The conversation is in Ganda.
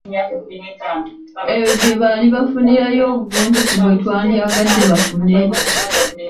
Eyo gye bali bafunirayo obugunjufu bwe twandyagadde bafune?